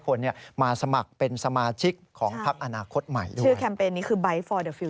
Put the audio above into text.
กรณีนี้ทางด้านของประธานกรกฎาได้ออกมาพูดแล้ว